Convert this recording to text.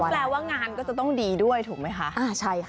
นงานก็ต้องดีด้วยถูกไหม